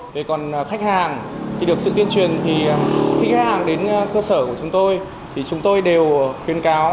về còn khách hàng khi được sự tuyên truyền khi khách hàng đến cơ sở của chúng tôi chúng tôi đều khuyên cáo